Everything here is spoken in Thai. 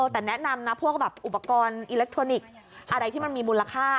แต่แนะนำนะพวกแบบอุปกรณ์อิเล็กทรอนิกส์อะไรที่มันมีมูลค่า